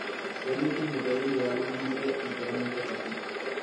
Fue el último rey en llevar un nombre enteramente casita.